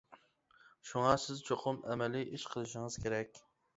شۇڭا سىز چوقۇم ئەمەلىي ئىش قىلىشىڭىز كېرەك.